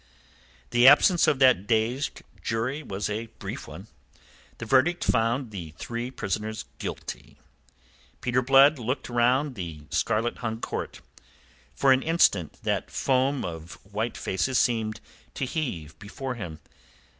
The absence of that dazed jury was a brief one. The verdict found the three prisoners guilty. Peter Blood looked round the scarlet hung court. For an instant that foam of white faces seemed to heave before him.